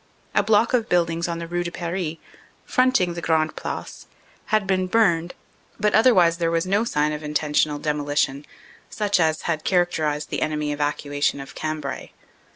A block of buildings on the Rue de Paris, front ing the Grande Place, had been burned, but otherwise there was no sign of intentional demolition, such as had character ized the enemy evacuation of Cambrai.